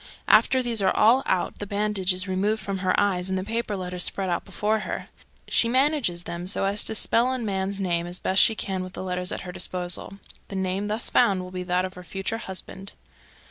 After these are all out the bandage is removed from her eyes, and the paper letters spread out before her. She manages them so as to spell a man's name as best she can with the letters at her disposal. The name thus found will be that of her future husband.